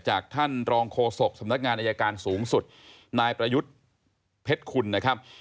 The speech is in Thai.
จากท่านรองโฆษกสำนักงานอายการสูงสุดนายประยุทธ์เพชรคุณนะครับ